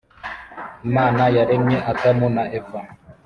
Imana yaremye adam na eva